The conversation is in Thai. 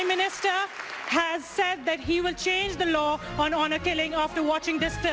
เขาบอกว่าเขาจะเปลี่ยนภารกิจในภารกิจนี้